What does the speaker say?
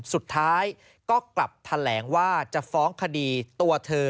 สุดท้ายก็กลับแถลงว่าจะฟ้องคดีตัวเธอ